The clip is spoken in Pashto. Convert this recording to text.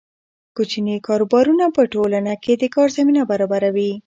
کوچني کاروبارونه په ټولنه کې د کار زمینه برابروي.